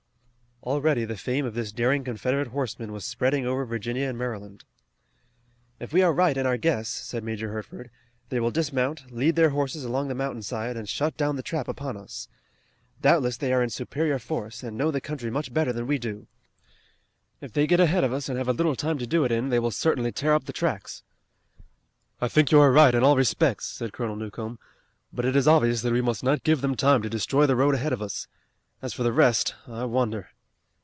Already the fame of this daring Confederate horseman was spreading over Virginia and Maryland. "If we are right in our guess," said Major Hertford, "they will dismount, lead their horses along the mountain side, and shut down the trap upon us. Doubtless they are in superior force, and know the country much better than we do. If they get ahead of us and have a little time to do it in they will certainly tear up the tracks." "I think you are right in all respects," said Colonel Newcomb. "But it is obvious that we must not give them time to destroy the road ahead of us. As for the rest, I wonder."